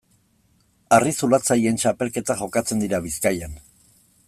Harri-zulatzaileen txapelketak jokatzen dira Bizkaian.